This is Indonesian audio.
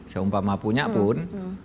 seumpama punya pun